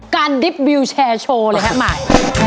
การดริปวิวแชร์โชว์เลยครับ